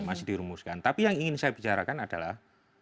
masih dirumuskan tapi yang ingin saya bicarakan adalah